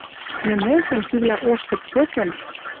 Нӹныжым, кӱвлӓ ош кӹпцӹкӹм